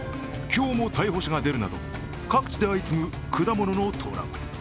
今日も逮捕者が出るなど各地で相次ぐ、果物のトラブル。